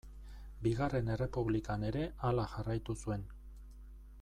Bigarren Errepublikan ere hala jarraitu zuen.